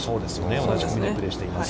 同じ組でプレーしています。